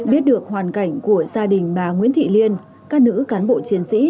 biết được hoàn cảnh của gia đình bà nguyễn thị liên các nữ cán bộ chiến sĩ